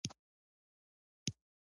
چغلي کول اور بلول دي